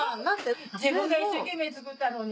自分が一生懸命作ったのに。